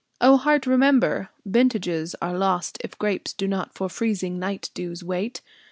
O Heart, remember, vintages are lost If grapes do not for freezing night dews wait.